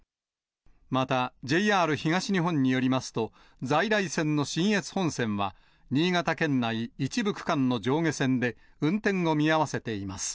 また、ＪＲ東日本によりますと、在来線の信越本線は、新潟県内、一部区間の上下線で運転を見合わせています。